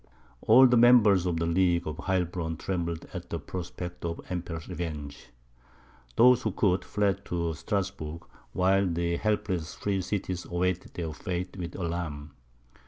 All the members of the League of Heilbronn trembled at the prospect of the Emperor's revenge; those who could, fled to Strasburg, while the helpless free cities awaited their fate with alarm.